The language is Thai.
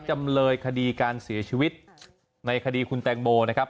จำเลยคดีการเสียชีวิตในคดีคุณแตงโมนะครับ